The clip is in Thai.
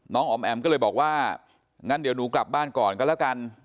อ๋อมแอ๋มก็เลยบอกว่างั้นเดี๋ยวหนูกลับบ้านก่อนก็แล้วกัน